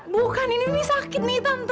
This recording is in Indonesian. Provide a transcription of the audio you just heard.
bukan ini sakit nih tentu